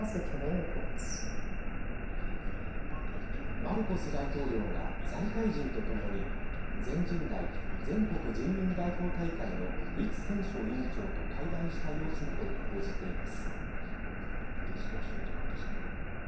マルコス大統領が財界人と共に全人代＝全国人民代表大会の栗戦書委員長と会談した様子などを報じています。